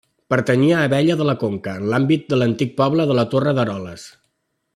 Pertanyia a Abella de la Conca, en l'àmbit de l'antic poble de la Torre d'Eroles.